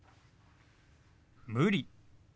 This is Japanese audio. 「無理」。